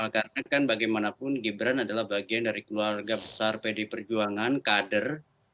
karena kan bagaimanapun gibran adalah bagian dari keluarga besar pdi perjuangan kader